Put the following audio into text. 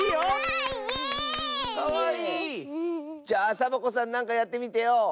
じゃあサボ子さんなんかやってみてよ。